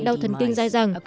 đau thần kinh dai dẳng